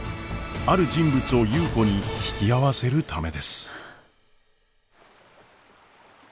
ある人物を優子に引き合わせるためです。